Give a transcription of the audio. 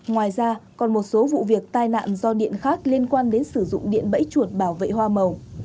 ngoài ra còn một số vụ việc tai nạn do điện khác liên quan đến sử dụng điện bẫy chuột bảo vệ hoa màu